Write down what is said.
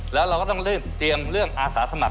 และเราก็ต้องเรียนเรื่องอาศาสมัคร